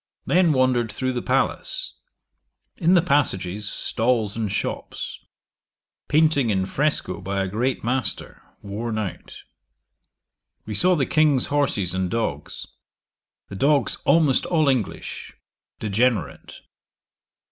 Then wandered through the palace. In the passages, stalls and shops. Painting in Fresco by a great master, worn out. We saw the King's horses and dogs. The dogs almost all English. Degenerate.